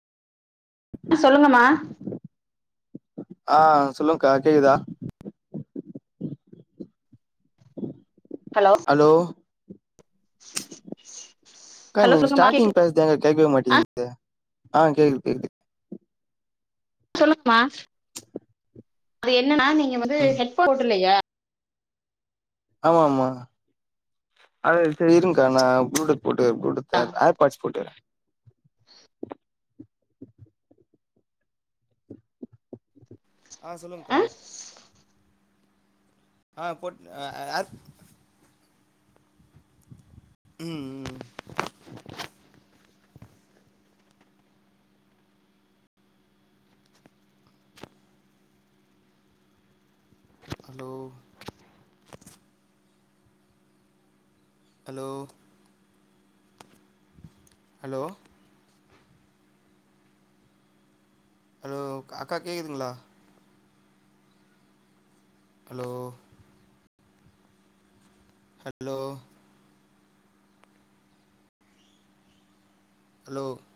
சொல்லுங்கம்மா ஆ சொல்லுங்கக்கா கேக்குதா ஹலோ க்கா ஹலோ நீங்க சொல்லுங்கம்மா ஸ்டார்ட்டிங் கேக்குது பேசது ஏங்கா கேட்கவே ஆ மாட்டீங்குது ஆ கேக்குது கேக்குது சொல்லுங்கமா அது என் என்னன்னா நீங்க வந்து ம் ஹெட்ஃபோன் போட் இல்லையா ஆமா ஆமா அத சரி இருங்கக்கா நா புளு டூத் பூட்டு புளு டூத் ஏ எர்பாட்ஸ் புட்டற ஆ சொல்லுங்க்கா ஆ போட் அ ஏர் ம் ம் ஹலோ ஹலோ ஹலோ ஹலோ கா அக்கா கேக்குதுங்களா ஹலோ ஹலோ ஹலோ